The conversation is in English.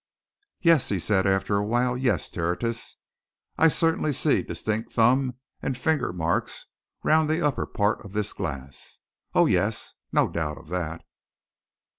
"Yes," he said, after a while, "yes, Tertius, I certainly see distinct thumb and finger marks round the upper part of this glass. Oh, yes no doubt of that!"